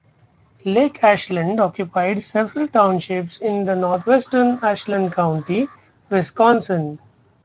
Lake Ashland occupied several townships in northwestern Ashland County, Wisconsin.